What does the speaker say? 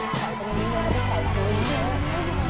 เอาแล้วเป็นไงอุ๊ยเอาดินใส่ดีกว่าครับเอาดินใส่อีก